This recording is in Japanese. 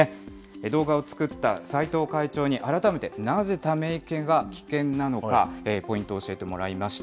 動画を作った斎藤会長に改めてなぜため池が危険なのか、ポイントを教えてもらいました。